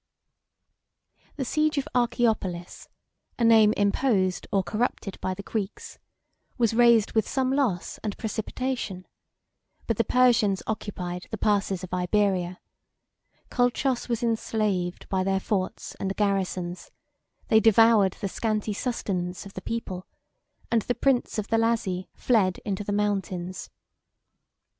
The siege of Archaeopolis, a name imposed or corrupted by the Greeks, was raised with some loss and precipitation; but the Persians occupied the passes of Iberia: Colchos was enslaved by their forts and garrisons; they devoured the scanty sustenance of the people; and the prince of the Lazi fled into the mountains.